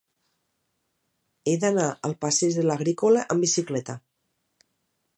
He d'anar al passeig de l'Agrícola amb bicicleta.